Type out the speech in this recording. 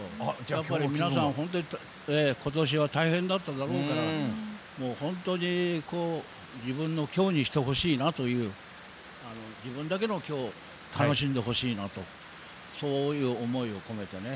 やっぱり皆さん、本当に今年は大変だっただろうから本当に自分の今日にしてほしいなという自分だけの今日を楽しんでほしいなとそういう思いを込めてね。